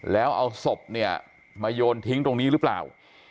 แล้วเอาศพเนี่ยมาโยนทิ้งตรงนี้หรือเปล่า